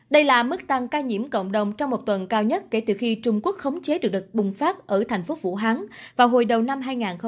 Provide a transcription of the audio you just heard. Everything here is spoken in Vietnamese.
đây là mức tăng ca nhiễm cộng đồng trong một tuần cao nhất kể từ khi trung quốc khống chế được đợt bùng phát ở thành phố vũ hán vào hồi đầu năm hai nghìn hai mươi